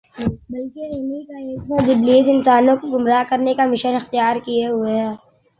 بلکہ انھی کا ایک فرد ابلیس انسانوں کو گمراہ کرنے کا مشن اختیار کیے ہوئے ہے